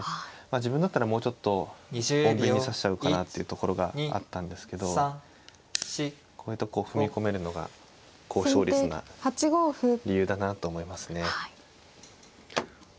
自分だったらもうちょっと穏便に指しちゃうかなっていうところがあったんですけどこういうとこを踏み込めるのが高勝率な理由だなと思いますね。